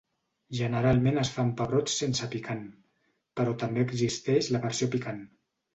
Generalment es fa amb pebrots sense picant però també existeix la versió picant.